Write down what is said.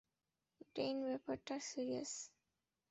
ডেইন, ব্যাপারটা সিরিয়াস।